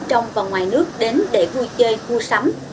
trong và ngoài nước đến để vui chơi mua sắm